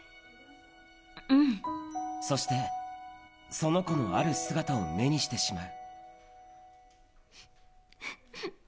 そして、その子のある姿を目にしてしまう。